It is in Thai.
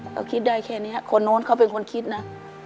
ก็คิดได้แค่นี้คนโน้นเขาเป็นคนคิดนะ